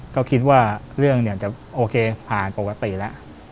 ก็คิดว่าเรื่องเนี่ยจะโอเคผ่านปกติแล้ว